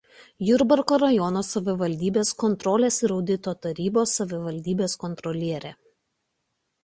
Jurbarko rajono savivaldybės kontrolės ir audito tarnybos savivaldybės kontrolierė.